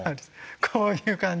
こういう感じ。